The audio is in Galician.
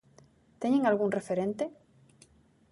Teñen algún referente?